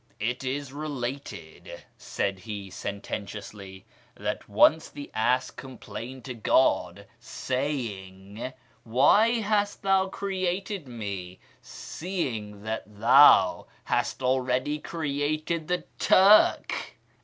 " It is related," said he, sententiously, " that once the ass complained to God, saying, ' Why hast Thou created me, seeing that Thou hast already created the Turk